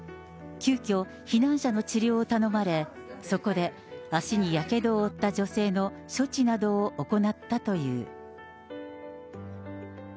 急きょ、避難者の治療を頼まれ、そこで足にやけどを負った女性の処置などを行ったという。